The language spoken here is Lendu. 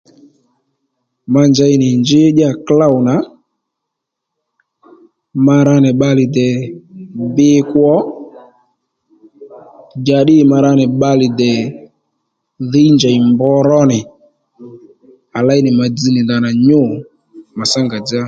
Ma njey nì njí ddíyà klôw nà ma ra nì bbalè dè bbi kwo njǎddî ma ra nì bbalè dè dhǐy njèy mbr ró à lêy ma dzz nì ndanà nyû mà tsá ngà dzá